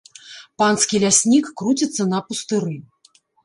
Панскі ляснік круціцца на пустыры.